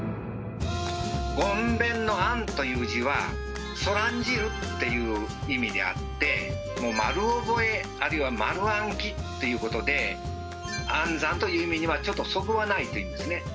ごんべんの「諳」という字は「そらんじる」っていう意味であってもう丸覚えあるいは丸暗記ということで暗算という意味にはちょっとそぐわないというんですね。